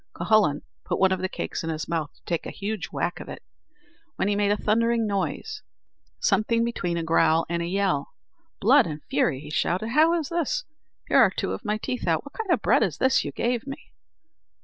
Cuhullin put one of the cakes in his mouth to take a huge whack out of it, when he made a thundering noise, something between a growl and a yell. "Blood and fury," he shouted; "how is this? Here are two of my teeth out! What kind of bread is this you gave me."